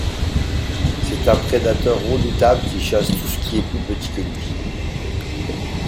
C'est un prédateur redoutable qui chasse tout ce qui est plus petit que lui.